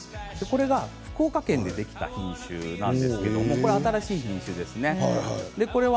福岡県でできた品種なんですけど新しい品種ですね。